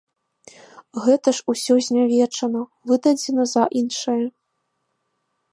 Гэта ж усё знявечана, выдадзена за іншае.